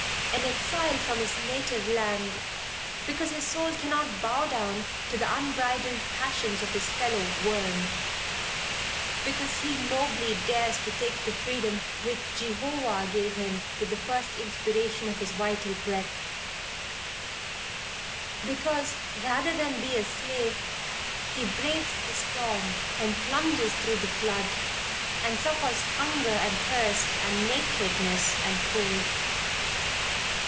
An exile from his native land, because his soul cannot bow down to the unbridled passions of his fellow worm; because he nobly dares to take the freedom which Jehovah gave him with the first inspiration of his vital breath, because rather than be a slave he braves the storm and plunges through the flood and suffers hunger and thirst and nakedness and cold.